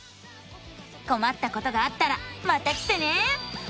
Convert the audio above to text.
こまったことがあったらまた来てね！